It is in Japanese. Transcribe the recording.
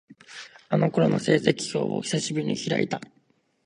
あの頃の成績表を、久しぶりに開いた。